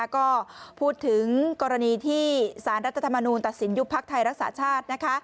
ก็พูดถึงกรณีที่สารรัฐธรรมนูลตัดสินยุบพักไทยรักษาชาติ